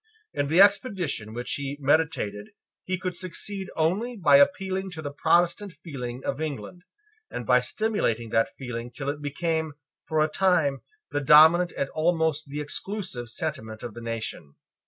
In the expedition which he meditated he could succeed only by appealing to the Protestant feeling of England, and by stimulating that feeling till it became, for a time, the dominant and almost the exclusive sentiment of the nation.